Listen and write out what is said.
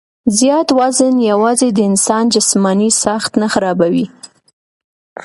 زيات وزن يواځې د انسان جسماني ساخت نۀ خرابوي